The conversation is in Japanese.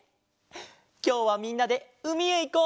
きょうはみんなでうみへいこう！